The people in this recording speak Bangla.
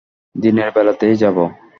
দিনের বেলাতেই যাব।